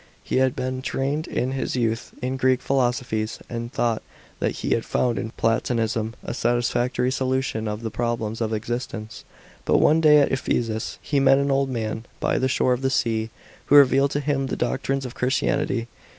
He had been trained in his youth in Greek philosophies, and thought that he had found in Platonism a satisfactory solution of the problems of existence. But one day at Ephesus, he met an old man by the shore of the sea, who revealed to him the doctrines of Christianity.